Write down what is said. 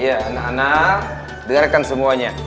iya anak anak dengarkan semuanya